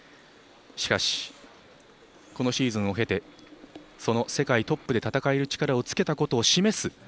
しかし、このシーズンを経て世界トップで戦える力をつけたことを示す